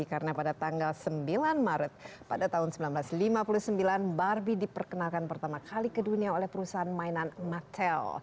karena pada tanggal sembilan maret pada tahun seribu sembilan ratus lima puluh sembilan barbie diperkenalkan pertama kali ke dunia oleh perusahaan mainan mattel